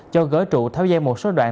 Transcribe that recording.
cho gỡ trụ tháo dây một số đoạn